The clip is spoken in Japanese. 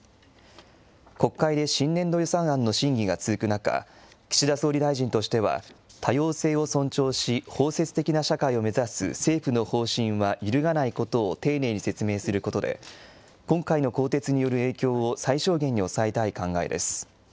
国会で新年度予算案の審議が続く中、岸田総理大臣としては、多様性を尊重し、包摂的な社会を目指す政府の方針は揺るがないことを丁寧に説明することで、今回の更迭による影響を最小限に抑えたい考えです。